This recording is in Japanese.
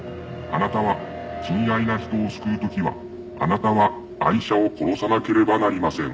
「あなたは親愛な人を救う時はあなたはアイシャを殺さなければなりません」